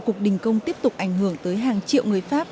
cuộc đình công tiếp tục ảnh hưởng tới hàng triệu người pháp